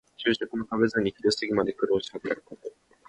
昼食も食べずに昼過ぎまで苦労して働くこと。